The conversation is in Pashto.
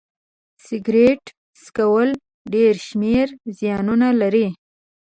سيګرټ څکول ډيری شمېر زيانونه لري